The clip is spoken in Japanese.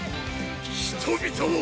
人々を！